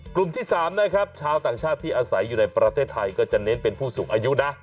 กลุ่มที่๓นะครับชาวต่างชาติที่อาศัยอยู่ในประเทศไทยก็จะเน้นเป็นผู้สูงอายุนะ